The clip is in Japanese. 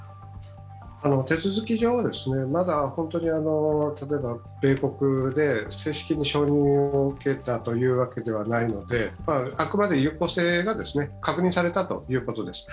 手続き上はまだ米国で正式に承認を受けたわけではないのであくまで有効性が確認されたということです。